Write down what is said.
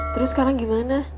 terus sekarang gimana